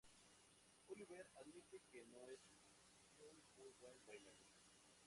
Oliver admite que no es un muy buen bailarín.